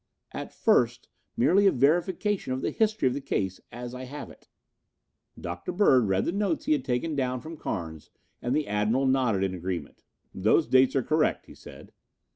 "At first merely a verification of the history of the case as I have it." Dr. Bird read the notes he had taken down from Carnes and the Admiral nodded agreement. "Those dates are correct," he said.